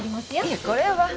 いえこれは。